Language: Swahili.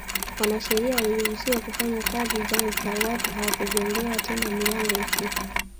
Wanasheria waliruhusiwa kufanya kazi Zanzibar watu hawakugongewa tena milango usiku